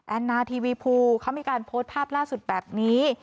นาทีวีภูเขามีการโพสต์ภาพล่าสุดแบบนี้